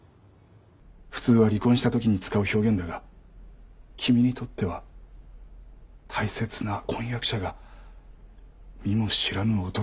普通は離婚した時に使う表現だが君にとっては大切な婚約者が見も知らぬ男と結婚していた事だ。